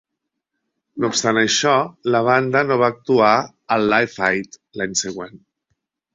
No obstant això, la banda no va actuar al Live Aid l'any següent.